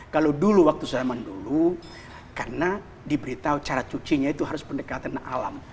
kalau dulu waktu zaman dulu karena diberitahu cara cucinya itu harus pendekatan alam